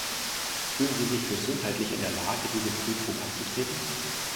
Fühlen Sie sich gesundheitlich in der Lage, diese Prüfung anzutreten?